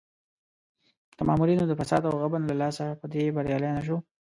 د مامورینو د فساد او غبن له لاسه په دې بریالی نه شو.